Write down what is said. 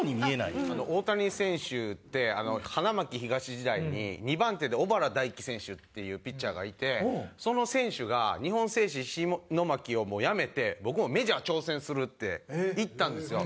大谷選手って花巻東時代に２番手で小原大樹選手っていうピッチャーがいてその選手が日本製紙石巻をもうやめて僕もメジャー挑戦するって行ったんですよ。